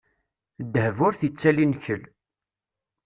Ddheb ur t-ittali nnkel.